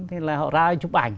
thế là họ ra chụp ảnh